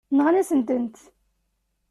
Nɣan-asent-tent.